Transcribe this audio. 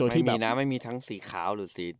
ที่มีน้ำไม่มีทั้งสีขาวหรือสี